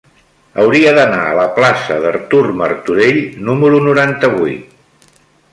Hauria d'anar a la plaça d'Artur Martorell número noranta-vuit.